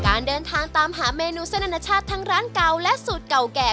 การเดินทางตามหาเมนูเส้นอนาชาติทั้งร้านเก่าและสูตรเก่าแก่